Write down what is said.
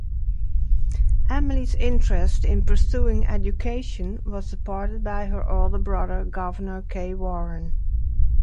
Emily's interest in pursuing education was supported by her older brother Gouverneur K. Warren.